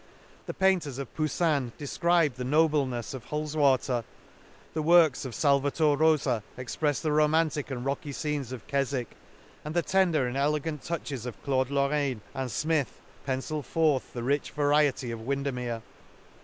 — The painters of Pousin defcribe the noblenefs of Hulls water ; —the works ofSALVATOR Rosa exprefs the romantic and rocky fcenes of Kes wick; — and the tender and elegant touches of Claude Lorain e, and Smith, pencil forth the rich variety of Windermere.